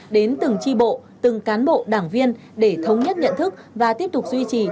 đến từng tri bộ từng cán bộ đảng viên để thống nhất nhận thức và tiếp tục duy trì